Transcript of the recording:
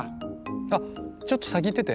あっちょっと先行ってて。